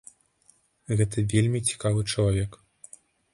Гэта вельмі цікавы чалавек.